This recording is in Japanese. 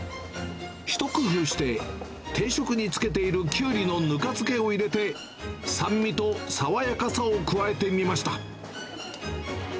一工夫して、定食に付けているきゅうりのぬか漬けを入れて、酸味と爽やかさを加えてみました。